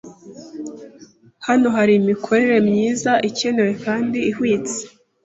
Hano hari imikorere myiza ikenewe kandi ihwitse